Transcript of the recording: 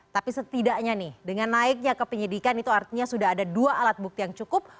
tapi setidaknya nih dengan naiknya ke penyidikan itu artinya sudah ada dua alat bukti yang cukup